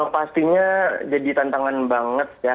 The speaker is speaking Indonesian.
pastinya jadi tantangan banget ya